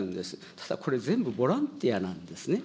ただこれ全部ボランティアなんですね。